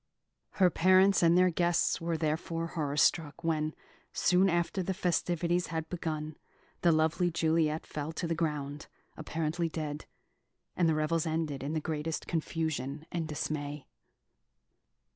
Her parents and their guests were therefore horror struck when, soon after the festivities had begun, the lovely Juliet fell to the ground, apparently dead; and the revels ended in the greatest confusion and dismay.